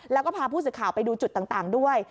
แล้วก็พาผู้สื่อข่าวไปดูจุดต่างด้วย